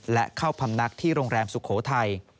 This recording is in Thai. และเข้าพำนักที่โรงแรมสุโขทัย